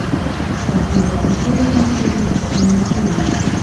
پښتو به په ټولو کمپیوټري سیسټمونو کې وي.